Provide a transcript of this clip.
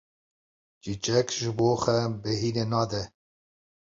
Çîçek ji bo xwe bêhinê nade.